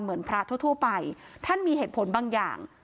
เหมือนพระทั่วไปท่านมีเหตุผลบางอย่าง